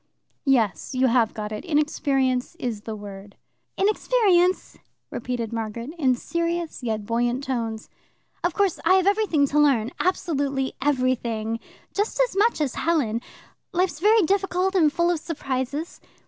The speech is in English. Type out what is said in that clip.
"Yes. You have got it. Inexperience is the word." "Inexperience," repeated Margaret, in serious yet buoyant tones. "Of course, I have everything to learn absolutely everything just as much as Helen. Life's very difficult and full of surprises.